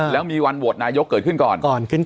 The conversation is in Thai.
แล้วมีวันโหวตนายกเกิดขึ้นก่อน